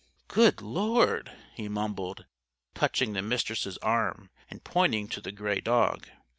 "Good Lord!" he mumbled, touching the Mistress' arm and pointing to the gray dog.